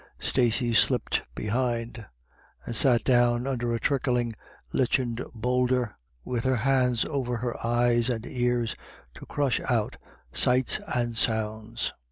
Stacey slipped behind, and sat down under a trickling, lichened boulder, with her hands over eyes and ears to crush out sights and sounds.